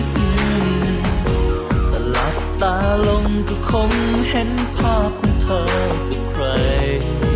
แต่หลับตาลงก็คงเห็นภาพของเธอกับใคร